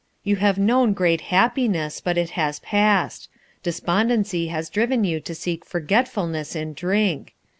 You have known great happiness, but it has passed. Despondency has driven you to seek forgetfulness in drink.